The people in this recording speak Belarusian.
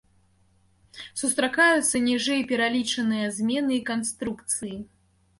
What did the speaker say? Сустракаюцца ніжэй пералічаныя змены канструкцыі.